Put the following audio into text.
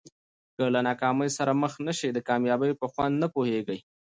که له ناکامۍ سره مخ نه سې د کامیابۍ په خوند نه پوهېږې.